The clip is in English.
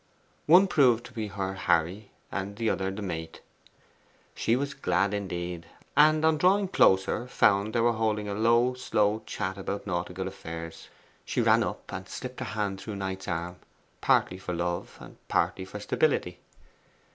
One proved to be her Harry, the other the mate. She was glad indeed, and on drawing closer found they were holding a low slow chat about nautical affairs. She ran up and slipped her hand through Knight's arm, partly for love, partly for stability.